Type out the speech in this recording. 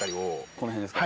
この辺ですか。